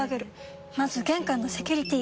まず玄関のセキュリティ！